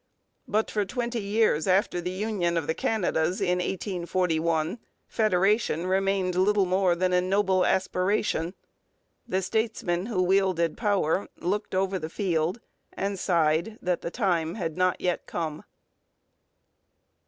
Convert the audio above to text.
But for twenty years after the union of the Canadas in 1841 federation remained little more than a noble aspiration. The statesmen who wielded power looked over the field and sighed that the time had not yet come.